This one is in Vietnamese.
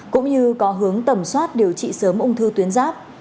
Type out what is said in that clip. cũng như có hướng tầm soát điều trị sớm ung thư tuyến giáp